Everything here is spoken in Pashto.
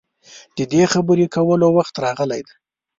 د دې خبرې کولو وخت راغلی دی.